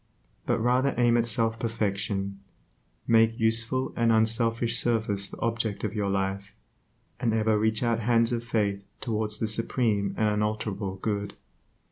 But rather aim at self perfection, make useful and unselfish service the object of your life, and ever reach out hands of faith towards the supreme and unalterable Good.